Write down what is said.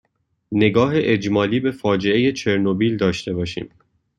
نگاه اجمالی به فاجعه چرنوبیل داشته باشیم